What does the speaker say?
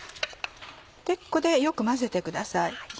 ここでよく混ぜてください。